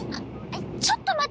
ちょっとまってね！